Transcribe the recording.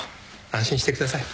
安心してください。